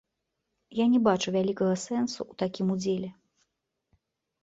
Я не бачу вялікага сэнсу ў такім удзеле.